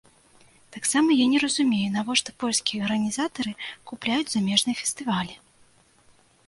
Таксама я не разумею, навошта польскія арганізатары купляюць замежныя фестывалі.